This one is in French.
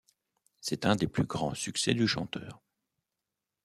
C'est un des plus grands succès du chanteur.